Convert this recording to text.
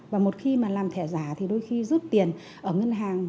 và một khi mà làm thẻ giả thì đôi khi rút tiền ở ngân hàng